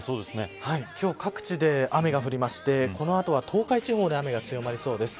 今日各地で雨が降りましてこの後は東海地方で雨が強まりそうです。